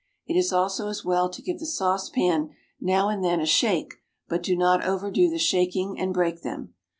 It is also as well to give the saucepan now and then a shake, but do not overdo the shaking and break them.